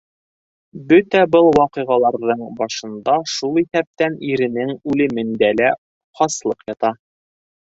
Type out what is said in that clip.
Бөтә был ваҡиғаларҙың башында, шул иҫәптән иренең үлемендә лә, хаслыҡ ята.